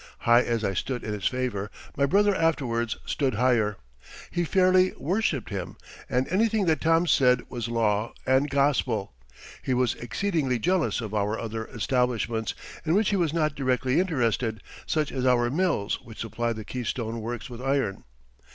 High as I stood in his favor, my brother afterwards stood higher. He fairly worshiped him, and anything that Tom said was law and gospel. He was exceedingly jealous of our other establishments, in which he was not directly interested, such as our mills which supplied the Keystone Works with iron.